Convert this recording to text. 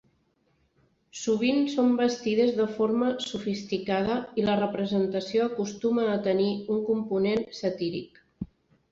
Sovint són vestides de forma sofisticada i la representació acostuma a tenir un component satíric.